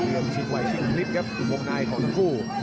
เรื่องชิงไหวชิงคลิปครับทุกวงในของทั้งคู่